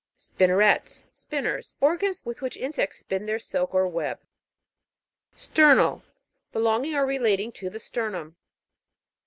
SPIN'NERETS. Spinners. Organs with which insects spin their silk or web. STER'NAL. Belonging or relating to the sternum.